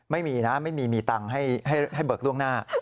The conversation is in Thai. ไม่มีนะไม่มีมีตังค์ให้เบิกล่วงหน้า